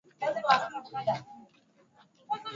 Kwa upande wa Magharibi unapita kwenye majabali ya Misito